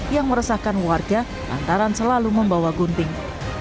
yang meresahkan warga lantaran selalu membawa gunting